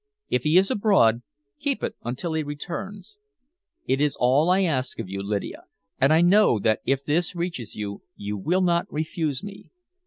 If he is abroad, keep it until he returns. "It is all I ask of you, Lydia, and I know that if this reaches you, you will not refuse me.